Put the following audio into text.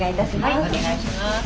お願いします。